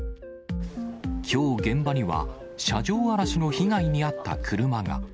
きょう、現場には車上荒らしの被害に遭った車が。